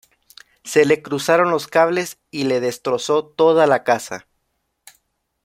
Se le cruzaron los cables y le destrozó toda la casa